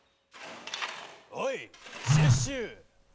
おいシュッシュ！